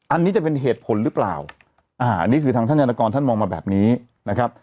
อันนี้จะเป็นเหตุผลหรือเปล่าอ่าอันนี้คือทางท่านยานกรท่านมองมาแบบนี้นะครับ